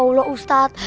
ya allah ustadz